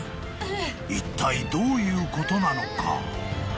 ［いったいどういうことなのか？］